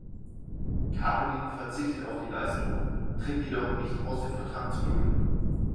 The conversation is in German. Karolin verzichtet auf die Leistung, tritt jedoch nicht aus dem Vertrag zurück.